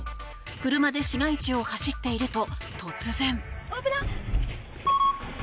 車で市街地を走っていると突然。